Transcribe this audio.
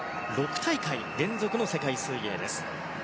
６大会連続の世界水泳です。